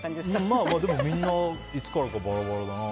まあ、みんないつからかバラバラだな。